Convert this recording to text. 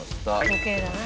時計だな。